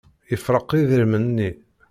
Yefreq idrimen-nni.